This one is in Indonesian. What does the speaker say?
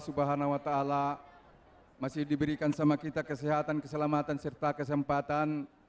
subhanahu wa ta'ala masih diberikan sama kita kesehatan keselamatan serta kesempatan